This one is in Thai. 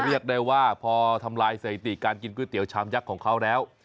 เรียกได้ว่าพอทำลายสถิติการกินก๋วยเตี๋ชามยักษ์ของเขาแล้ว